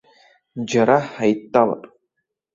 Џьара ҳаидтәалап.